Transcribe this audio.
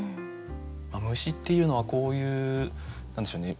虫っていうのはこういう何でしょうね。